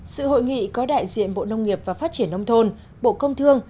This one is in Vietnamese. sự hội nghị có đại diện bộ nông nghiệp và phát triển nông thôn bộ công thương